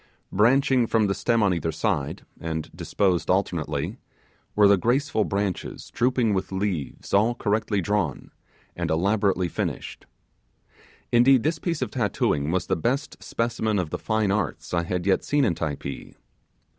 Branching from the stem on each side, and disposed alternately, were the graceful branches drooping with leaves all correctly drawn and elaborately finished. Indeed the best specimen of the Fine Arts I had yet seen in Typee.